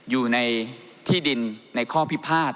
อยู่ในที่ดินในข้อพิพาท